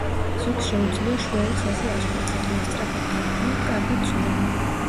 ზოგს შეუძლია შვეულ ხეზე ასვლა, ძალიან სწრაფად დარბიან, კარგად ცურავენ.